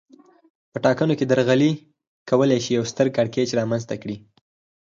په ټاکنو کې درغلي یو ستر کړکېچ رامنځته کولای شي